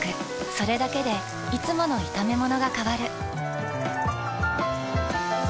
それだけでいつもの炒めものが変わる。